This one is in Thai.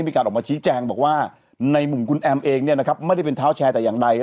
มีการออกมาชี้แจงบอกว่าในมุมคุณแอมเองเนี่ยนะครับไม่ได้เป็นเท้าแชร์แต่อย่างใด